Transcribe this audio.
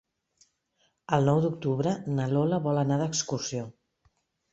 El nou d'octubre na Lola vol anar d'excursió.